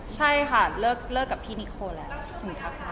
ใช่ค่ะเลิกกับพี่นิโคแล้ว